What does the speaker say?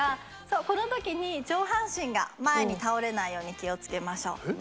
この時に上半身が前に倒れないように気を付けましょう。